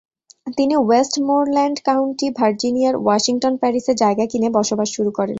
তিনি Westmoreland County, ভার্জিনিয়ার Washington প্যারিসে জায়গা কিনে বসবাস শুরু করেন।